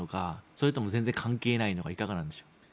それとも全然関係ないのかいかがでしょうか？